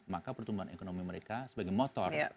maka pertumbuhan ekonomi mereka sebagai motor